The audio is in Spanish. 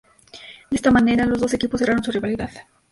De esta manera los dos equipos cerraron su rivalidad.